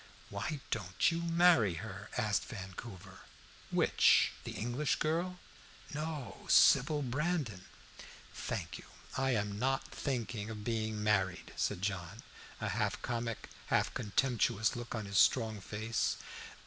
"Why don't you marry her?" asked Vancouver. "Which? The English girl?" "No; Sybil Brandon." "Thank you, I am not thinking of being married," said John, a half comic, half contemptuous look in his strong face.